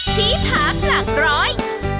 ที่พักหลักร้อย